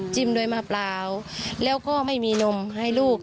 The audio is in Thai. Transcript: ด้วยมะเปล่าแล้วก็ไม่มีนมให้ลูก